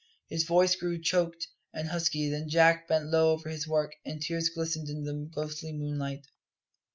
His voice grew choked and husky then Jack bent low over his work, and tears glistened in the ghostly moonlight.